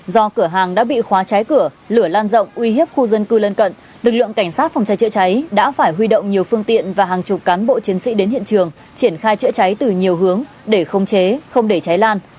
do cửa hàng đã bị khóa cháy cửa lửa lan rộng uy hiếp khu dân cư lân cận lực lượng cảnh sát phòng cháy chữa cháy đã phải huy động nhiều phương tiện và hàng chục cán bộ chiến sĩ đến hiện trường triển khai chữa cháy từ nhiều hướng để không chế không để cháy lan